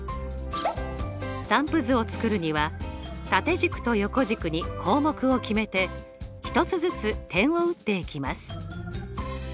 散布図を作るには縦軸と横軸に項目を決めて１つずつ点を打っていきます。